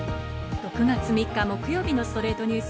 ６月３日、木曜日の『ストレイトニュース』。